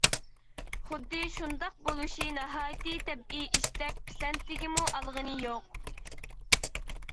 خۇددى شۇنداق بولۇشى ناھايىتى تەبىئىي ئىشتەك پىسەنتىگىمۇ ئالغىنى يوق.